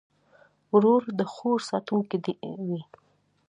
ورور د خور ساتونکی وي.